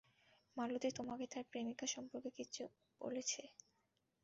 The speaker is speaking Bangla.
মালতী তোমাকে তার প্রেমিক সম্পর্কে কিছু বলেছে?